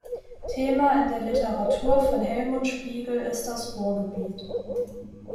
Thema in der Literatur von Helmut Spiegel ist das Ruhrgebiet.